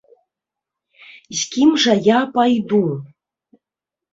З кім жа я пайду?